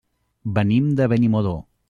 Venim de Benimodo.